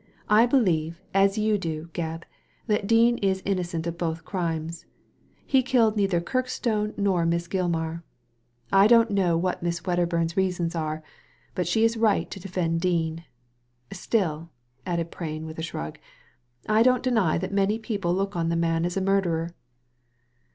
"I believe, as you do, Gebb, that Dean is innocent of both crimes. He killed neither Kirkstone nor Miss Gilmar. I don't know what Miss Wedderbum's reasons are, but she is right to defend Dean. Still," added Prain with a shrug, " I don't deny that many people look on the man as a murderer."